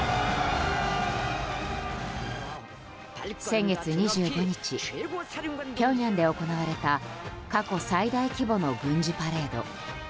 先月２５日ピョンヤンで行われた過去最大規模の軍事パレード。